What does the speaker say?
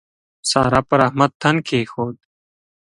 سارا پر احمد تن کېښود.